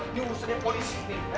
ini urusannya polisi